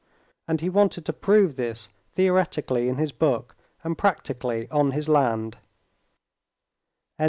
And he wanted to prove this theoretically in his book and practically on his land.